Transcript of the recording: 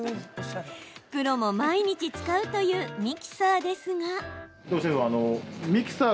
プロも毎日使うというミキサーですが。